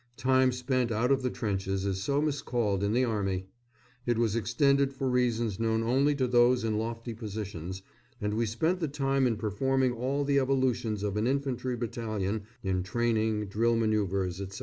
(Time spent out of the trenches is so miscalled in the Army!) It was extended for reasons known only to those in lofty positions, and we spent the time in performing all the evolutions of an infantry battalion in training, drill, manœuvres, etc.